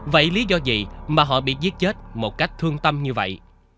vậy lý do gì mà họ bị giết chết một cách thương tâm như vậy